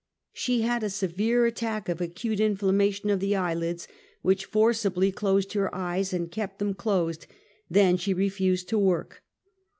She had a severe attack of acute inflammation of the eyelids, which forcibly closed her eyes, and kept them closed; then she refused to work.